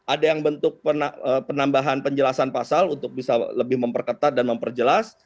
ada yang bentuk penambahan penjelasan pasal untuk bisa lebih memperketat dan memperjelas